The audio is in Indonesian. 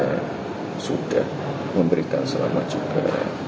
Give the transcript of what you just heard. kita sudah memberikan selama juga